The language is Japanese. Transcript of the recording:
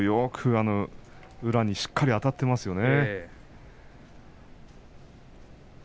宇良にしっかりあたっていますね。